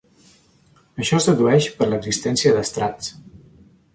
Això es dedueix per l'existència d'estrats.